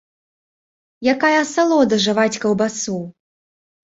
Якая асалода жаваць каўбасу!